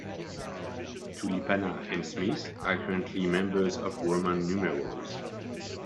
Tulipana and Smith are currently members of Roman Numerals.